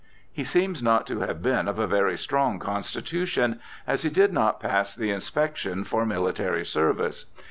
He seems not to have been of a very strong constitu tion, as he did not pass the inspection for military service.